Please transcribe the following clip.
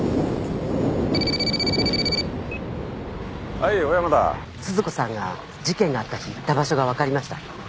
はい小山田鈴子さんが事件があった日行った場所が分かりました